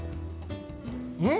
うん？